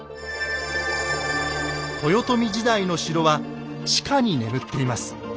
豊臣時代の城は地下に眠っています。